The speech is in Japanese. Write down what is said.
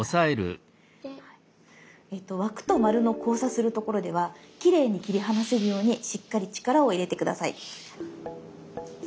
えっと枠と丸の交差するところではきれいに切り離せるようにしっかり力を入れて下さい。